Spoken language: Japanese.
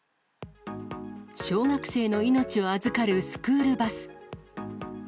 小学生の命を預かるスクールバス。